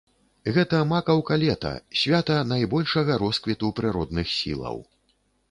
Гэта макаўка лета, свята найбольшага росквіту прыродных сілаў.